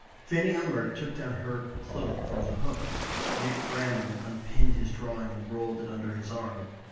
Fanny Elmer took down her cloak from the hook. Nick Bramham unpinned his drawing and rolled it under his arm.